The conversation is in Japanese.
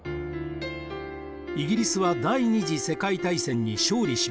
イギリスは第二次世界大戦に勝利します。